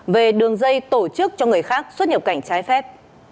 về đường dây tổ chức cho người khác xuất nhập cảnh trái phép